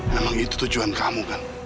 memang itu tujuan kamu kan